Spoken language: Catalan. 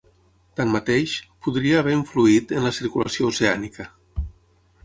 Tanmateix, podria haver influït en la circulació oceànica.